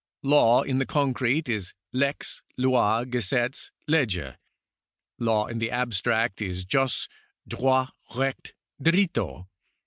Law in the concrete is lex, Ini, gesetz, legge. Law in the abstract is jus, droit, recht, dirilto.